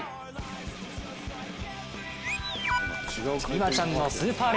美誠ちゃんのスーパー